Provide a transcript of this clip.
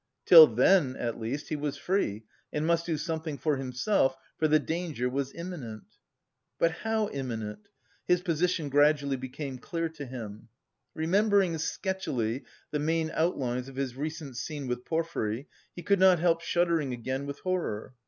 Till then, at least, he was free and must do something for himself, for the danger was imminent. But how imminent? His position gradually became clear to him. Remembering, sketchily, the main outlines of his recent scene with Porfiry, he could not help shuddering again with horror.